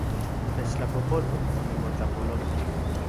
Techtlapojpolui, onimotlapololti